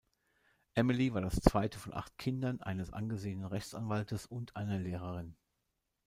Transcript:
Emily war das zweite von acht Kindern eines angesehenen Rechtsanwaltes und einer Lehrerin.